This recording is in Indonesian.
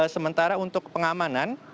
sementara untuk pengamanan